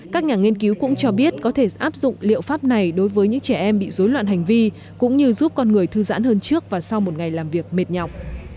các nhà nghiên cứu cũng cho biết có thể áp dụng liệu pháp này đối với những trẻ em bị dối loạn hành vi cũng như giúp con người thư giãn hơn trước và sau một ngày làm việc mệt nhọc